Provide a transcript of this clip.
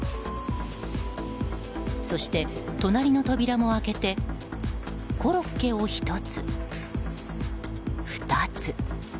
そして、隣の扉も開けてコロッケを１つ、２つ。